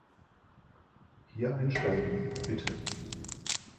Hier einsteigen, bitte.